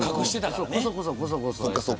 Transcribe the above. こそこそ、こそこそ。